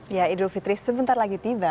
ya idul fitri sebentar lagi tiba